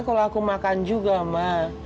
kalau aku makan juga mbak